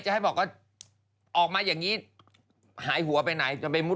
อะไรนะ๒๐ปีอย่างนี้บอกทำไมฉันไม่อยู่